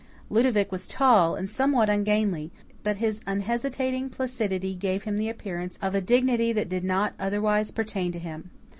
Ludovic was tall and somewhat ungainly, but his unhesitating placidity gave him the appearance of a dignity that did not otherwise pertain to him.